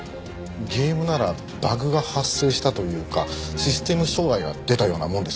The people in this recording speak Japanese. ゲームならバグが発生したというかシステム障害が出たようなもんですかね。